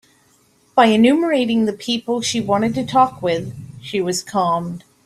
By enumerating the people she wanted to talk with, she was calmed.